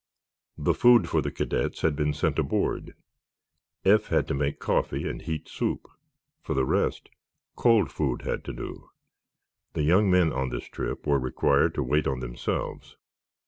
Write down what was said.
The food for the cadets had been sent aboard. Eph had to make coffee and heat soup. For the rest, cold food had to do. The young men, on this trip, were required to wait on themselves.